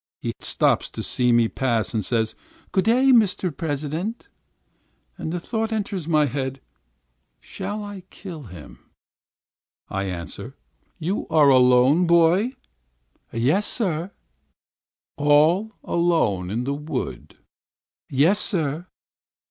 He stops to see me pass and says, "Good day, Mr. President." And the thought enters my head, "Shall I kill him?" I answer: "You are alone, my boy?" "Yes, sir." "All alone in the wood?" "Yes, sir."